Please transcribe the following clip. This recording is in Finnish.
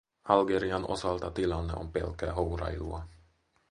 Algerian osalta tilanne on pelkkää hourailua.